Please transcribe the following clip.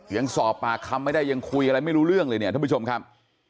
ยังสอบปากคำไม่ได้ยังคุยอะไรไม่รู้เรื่องเลยเนี่ยท่านผู้ชมครับ